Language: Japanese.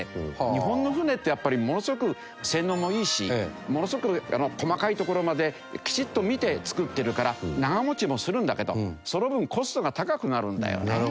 日本の船ってやっぱりものすごく性能もいいしものすごく細かいところまできちっと見て造っているから長持ちもするんだけどその分コストが高くなるんだよね。